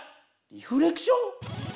リフレクション？